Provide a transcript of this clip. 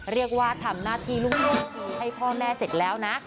เรียกว่าทำหน้าที่ลูกให้พ่อแม่เสร็จแล้วนะ